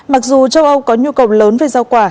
mặc dù châu âu có nhu cầu lớn về rau quả